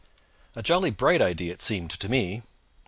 A jolly bright idea it seemed to me.